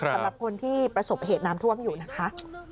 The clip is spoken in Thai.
สำหรับคนที่ประสบเหตุน้ำท่วมอยู่นะคะ